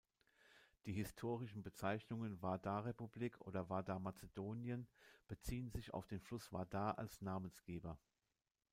Die historischen Bezeichnungen "Vardar-Republik" oder "Vardar-Mazedonien" beziehen sich auf den Fluss Vardar als Namensgeber.